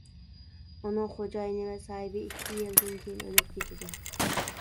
ئۇنىڭ خوجايىنى ۋە ساھىبى ئىككى يىلدىن كېيىن ئۆلۈپ كېتىدۇ.